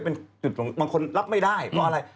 เป็นจุดบางคนรับไม่ได้เพราะอะไร